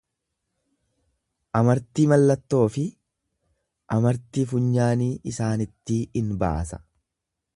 Amartii mallattoo fi amartii funyaanii isaanittii in baasa.